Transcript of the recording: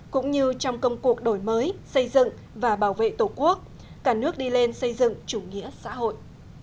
cũng như trong công cuộc đổi mới xây dựng và bảo vệ tổ quốc cả nước đi lên xây dựng chủ nghĩa xã hội